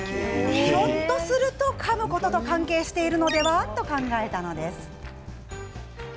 ひょっとするとかむことと関係しているのでは？と考えたのです。